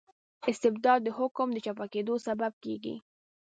استبداد د حکوم د چپه کیدو سبب کيږي.